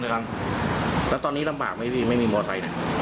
แล้วตอนนี้ลำบากไหมไม่มีมอเตอร์ไซค์